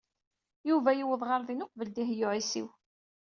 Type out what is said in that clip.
Yuba yewweḍ ar din uqbel Dehbiya u Ɛisiw.